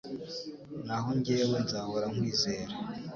Naho jyewe nzahora nkwizera